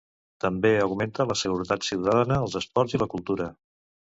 També augmenta la seguretat ciutadana, els esports i la cultura.